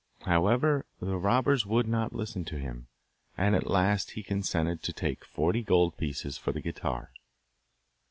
However, the robbers would not listen to him, and at last he consented to take forty gold pieces for the guitar.